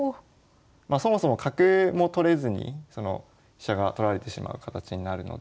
まあそもそも角も取れずに飛車が取られてしまう形になるので。